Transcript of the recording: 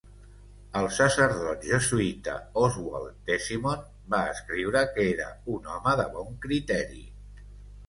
El sacerdot jesuïta Oswald Tesimond va escriure que era "un home de bon criteri.